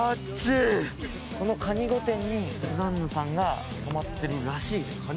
この蟹御殿にスザンヌさんが泊まってるらしい。